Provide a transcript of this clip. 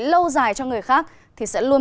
lâu dài cho người khác thì sẽ luôn